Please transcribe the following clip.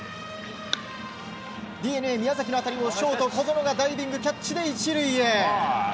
ＤｅＮＡ宮崎の当たりをショート、小園がダイビングキャッチで１塁へ。